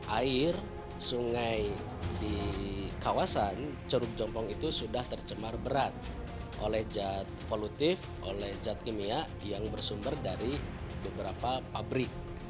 air sungai di kawasan curug jompong itu sudah tercemar berat oleh zat polutif oleh zat kimia yang bersumber dari beberapa pabrik